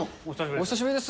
お久しぶりです。